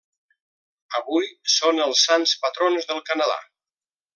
Avui, són els sants patrons del Canadà.